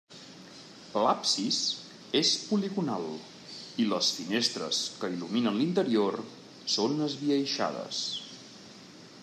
L'absis és poligonal i les finestres que il·luminen l'interior són esbiaixades.